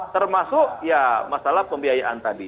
termasuk ya masalah pembiayaan tadi